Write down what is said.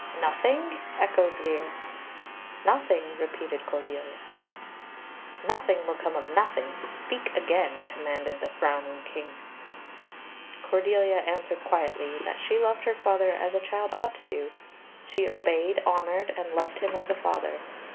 "Nothing!" echoed Lear. "Nothing," repeated Cordelia. "Nothing will come of nothing. Speak again," commanded the frowning King. Cordelia answered quietly that she loved her father as a child ought to do she obeyed, honoured, and loved him as a father.